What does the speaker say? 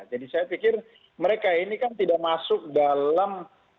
jadi saya pikir mereka ini kan tidak masuk dalam